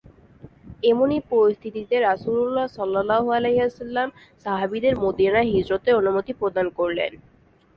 এমনি পরিস্থিতিতে রাসূলুল্লাহ সাল্লাল্লাহু আলাইহি ওয়াসাল্লাম সাহাবীদের মদীনায় হিজরতের অনুমতি প্রদান করলেন।